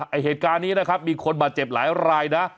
เหตุการณ์นี้นะครับมีคนบาดเจ็บหลายรายนะ